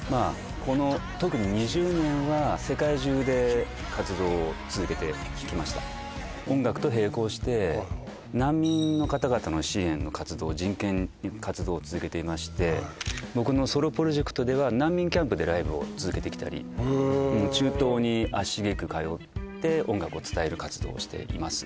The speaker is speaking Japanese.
この特に２０年は世界中で活動を続けてきました音楽と並行して難民の方々の支援の活動人権活動を続けていまして僕のソロプロジェクトでは難民キャンプでＬＩＶＥを続けてきたり中東に足しげく通って音楽を伝える活動をしています